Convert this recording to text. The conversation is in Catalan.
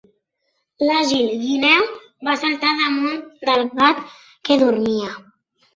L'àgil guineu va saltar al damunt del gat que dormia.